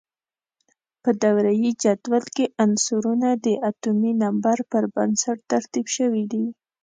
په دوره یي جدول کې عنصرونه د اتومي نمبر پر بنسټ ترتیب شوي دي.